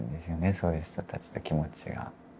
そういう人たちと気持ちが。